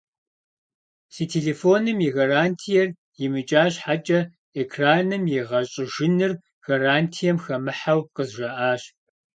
Си телефоным и гарантиер имыкӏа щхьэкӏэ, экраным и егъэщӏыжыныр гарантием хэмыхьэу къызжаӏащ.